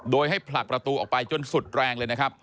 โดยให้ผลักประตูออกไปจนสุดแรงเลยนะครับ